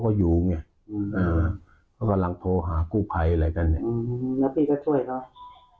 ก็อยู่เนี่ยเขากำลังโทรหากู้ภัยอะไรกันแล้วพี่ก็ช่วยเขา